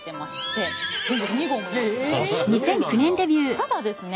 ただですね